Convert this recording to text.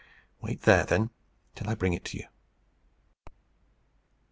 "Wait there, then, till I bring it to you."